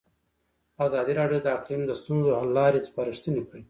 ازادي راډیو د اقلیم د ستونزو حل لارې سپارښتنې کړي.